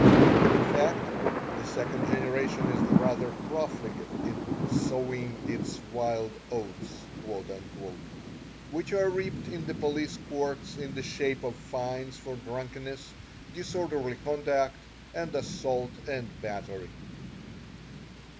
In fact, the second generation is rather profligate in "sowing its wild oats," which are reaped in the police courts in the shape of fines for drunkenness, disorderly conduct, and assault and battery.